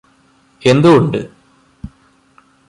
എന്തുകൊണ്ട്